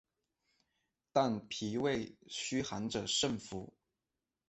但脾胃虚寒者慎服。